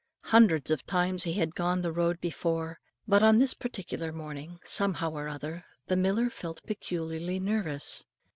Hundreds of times he had gone the road before, but on this particular morning, somehow or other, the miller felt peculiarly nervous.